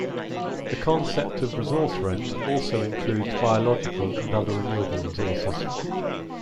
The concept of resource rent also includes biological and other renewable resources.